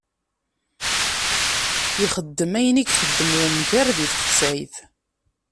Ixeddem ayen i ixeddem umger di texsayt.